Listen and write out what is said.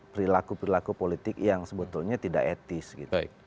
perilaku perilaku politik yang sebetulnya tidak etis gitu